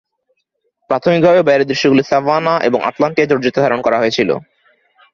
প্রাথমিকভাবে, বাইরের দৃশ্যগুলি সাভানা এবং আটলান্টা, জর্জিয়াতে ধারণ করা হয়েছিল।